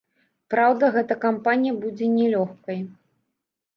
Праўда, гэта кампанія будзе не лёгкай.